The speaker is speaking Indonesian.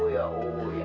oh ya oh ya